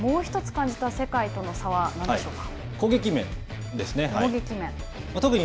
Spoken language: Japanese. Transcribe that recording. もうひとつ感じた世界との差は何でしょうか。